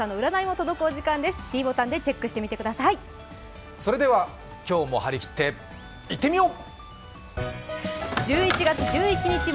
それでは今日も張り切っていってみよう！